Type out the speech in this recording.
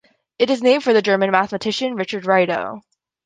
It is named for the German mathematician Richard Rado.